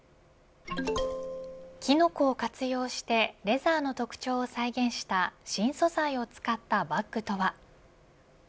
キノコを活用してレザーの特徴を再現した新素材を使ったバッグとは。